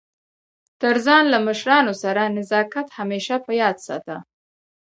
تر ځان له مشرانو سره نزاکت همېشه په یاد ساته!